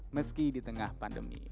meski di tengah pandemi